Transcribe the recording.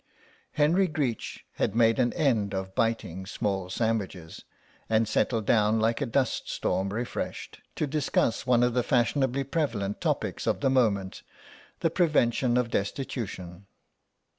Henry Greech had made an end of biting small sandwiches, and settled down like a dust storm refreshed, to discuss one of the fashionably prevalent topics of the moment, the prevention of destitution.